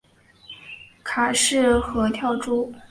卡氏合跳蛛为跳蛛科合跳蛛属的动物。